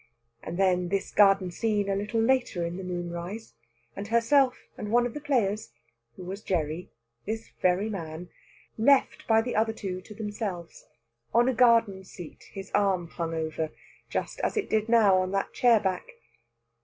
And then this garden scene a little later in the moonrise, and herself and one of the players, who was Gerry this very man left by the other two to themselves, on a garden seat his arm hung over, just as it did now over that chair back.